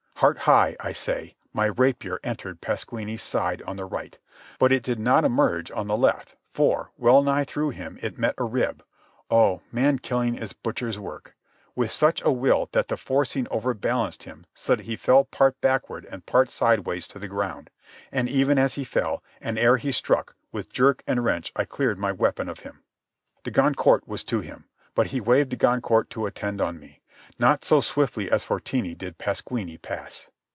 Heart high, I say, my rapier entered Pasquini's side on the right, but it did not emerge, on the left, for, well nigh through him, it met a rib (oh, man killing is butcher's work!) with such a will that the forcing overbalanced him, so that he fell part backward and part sidewise to the ground. And even as he fell, and ere he struck, with jerk and wrench I cleared my weapon of him. De Goncourt was to him, but he waved de Goncourt to attend on me. Not so swiftly as Fortini did Pasquini pass.